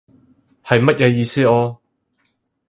係乜嘢意思啊？